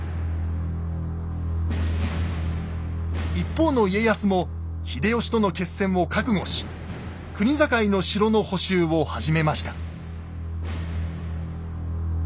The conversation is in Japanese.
一方の家康も秀吉との決戦を覚悟し国境の城の補修を始めました。